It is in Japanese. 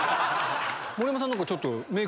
盛山さん何かちょっと。